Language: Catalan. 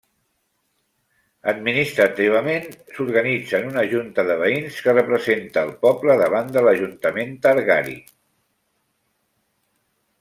Administrativament s'organitza en una junta de veïns que representa al poble davant de l'Ajuntament targarí.